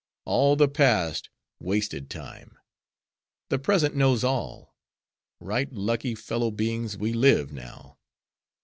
All the Past, wasted time! the Present knows all! right lucky, fellow beings, we live now!